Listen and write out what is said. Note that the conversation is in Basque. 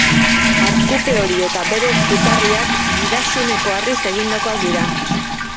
Arkupe hori eta bere zutarriak Bidaxuneko harriz egindakoak dira.